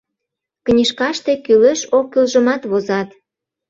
Книжкаште кӱлеш-оккӱлжымат возат.